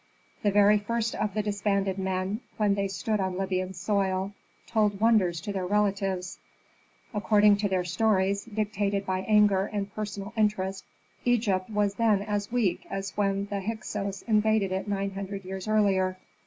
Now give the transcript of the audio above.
The very first of the disbanded men, when they stood on Libyan soil, told wonders to their relatives. According to their stories, dictated by anger and personal interest, Egypt was then as weak as when the Hyksos invaded it nine hundred years earlier.